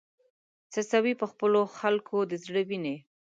څڅوې په خپلو خلکو د زړه وینې